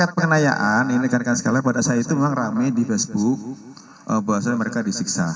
terkait pengenayaan ini dikatakan sekali pada saat itu memang rame di facebook bahwasannya mereka disiksa